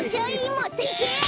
もっといけ！